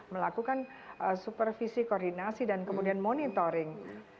melakukan supervisi koordinasi dan kemudian monitoring